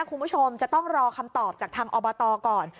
คุณผู้ชมจะต้องรอคำตอบจากทางอบตก่อน